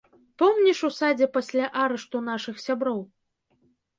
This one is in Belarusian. Помніш у садзе пасля арышту нашых сяброў?